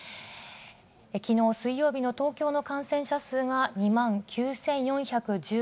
きのう水曜日の東京の感染者数が２万９４１６人。